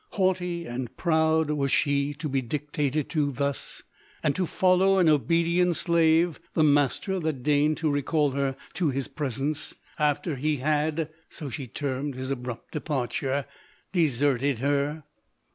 Haughty and proud, was she to be dictated to thus ? and to follow, an obedient slave, the master that deigned to recall her to his presence, after he LODORE. 185 had (so she termed his abrupt departure) de serted her